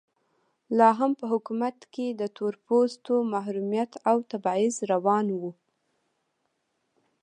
لا هم په حکومت کې د تور پوستو محرومیت او تبعیض روان و.